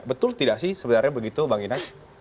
betul tidak sih sebenarnya begitu bang inas